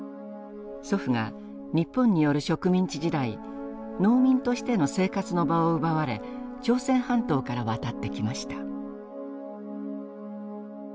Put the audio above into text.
祖父が日本による植民地時代農民としての生活の場を奪われ朝鮮半島から渡ってきました。